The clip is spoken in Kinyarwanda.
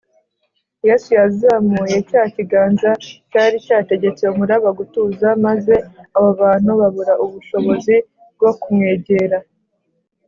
yesu yazamuye cya kiganza cyari cyategetse umuraba gutuza, maze abo bantu babura ubushobozi bwo kumwegera